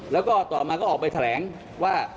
แล้วก็ต่อมาก็ออกไปแถลงว่า